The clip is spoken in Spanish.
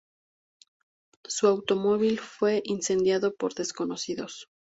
Su automóvil fue incendiado por desconocidos.